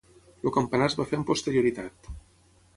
El campanar es va fer amb posterioritat.